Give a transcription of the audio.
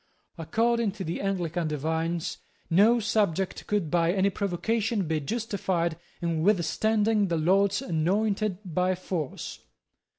According to the Anglican divines, no subject could by any provocation be justified in withstanding the Lord's anointed by force.